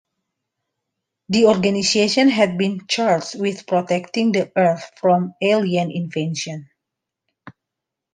The organisation had been charged with protecting the Earth from alien invasion.